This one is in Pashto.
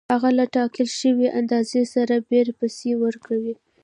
هغه له ټاکل شوې اندازې سربېره پیسې ورکوي